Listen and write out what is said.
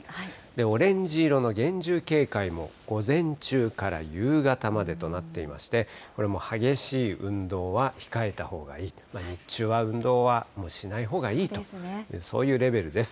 オレンジ色の厳重警戒も午前中から夕方までとなっていまして、これもう激しい運動は控えたほうがいい、日中は運動はもうしないほうがいいと、そういうレベルです。